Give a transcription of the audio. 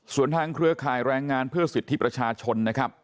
ส่วนทางเครือข่ายแรงงานเพื่อสิทธิประชาชนนะครับ